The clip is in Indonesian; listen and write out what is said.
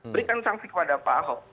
berikan sanksi kepada pak ahok